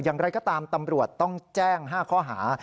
อย่างไรก็ตามตำรวจต้องแจ้ง๕ข้อหา